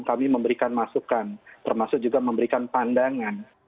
kami memberikan masukan termasuk juga memberikan pandangan